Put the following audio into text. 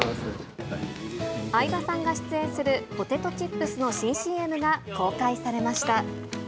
相葉さんが出演するポテトチップスの新ＣＭが公開されました。